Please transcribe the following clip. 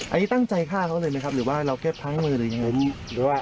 อันนี้ตั้งใจฆ่าเขาเลยไหมครับหรือว่าเราแค่พลั้งมือหรือยังไง